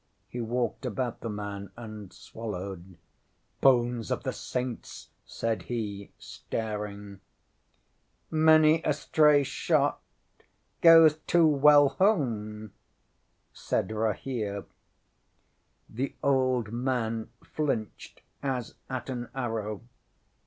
He walked about the man and swallowed. ŌĆśŌĆ£Bones of the Saints! ŌĆØ said he, staring. ŌĆśŌĆ£Many a stray shot goes too well home, ŌĆØ said Rahere. ŌĆśThe old man flinched as at an arrow.